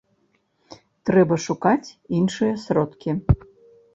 Трэба шукаць іншыя сродкі.